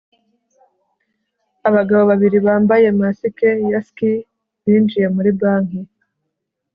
abagabo babiri bambaye masike ya ski binjiye muri banki